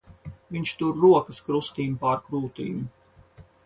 Viņš tur rokas krustīm pār krūtīm.